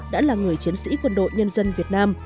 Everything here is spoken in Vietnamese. đã là người chiến sĩ quân đội nhân dân việt nam